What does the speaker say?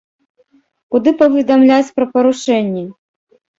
Куды паведамляць пра парушэнні?